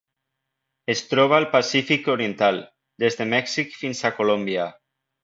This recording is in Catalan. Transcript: Es troba al Pacífic oriental: des de Mèxic fins a Colòmbia.